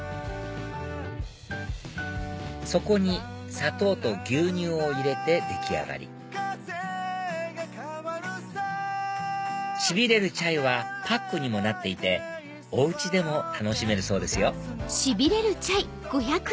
そこに砂糖と牛乳を入れて出来上がりしびれるチャイはパックにもなっていてお家でも楽しめるそうですよ